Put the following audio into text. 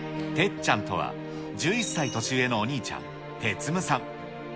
てっちゃんとは、１１歳年上のお兄ちゃん、哲夢さん。